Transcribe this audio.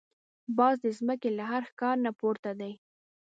باز د زمکې له هر ښکار نه پورته دی